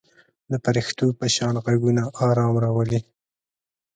د پرښتو په شان غږونه آرام راولي.